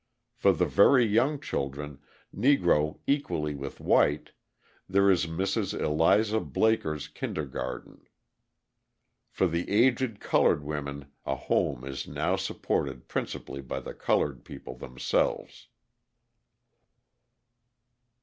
For the very young children, Negro equally with white, there is Mrs. Eliza Blaker's Kindergarten. For the aged coloured women a home is now supported principally by the coloured people themselves.